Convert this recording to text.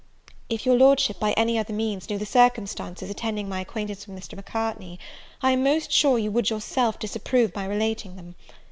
"If your Lordship, by any other means, knew the circumstances attending my acquaintance with Mr. Macartney, I am most sure you would yourself disapprove my relating them.